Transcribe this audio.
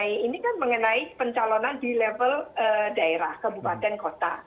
ini kan mengenai pencalonan di level daerah kabupaten kota